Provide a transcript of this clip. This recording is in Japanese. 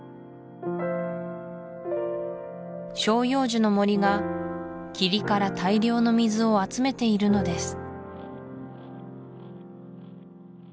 照葉樹の森が霧から大量の水を集めているのです